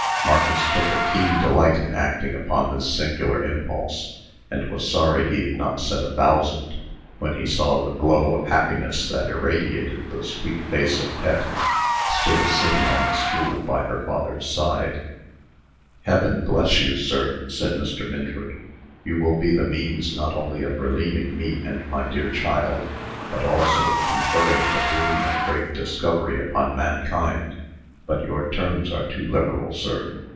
Marcus took a keen delight in acting upon this singular impulse, and was sorry he had not said a "thousand," when he saw the glow of happiness that irradiated the sweet face of Pet, still sitting on the stool by her father's side. [Illustration: THE BOY BOG] "Heaven bless you, sir!" said Mr. Minford. "You will be the means not only of relieving me and my dear child, but also of conferring the boon of a great discovery upon mankind. But your terms are too liberal, sir.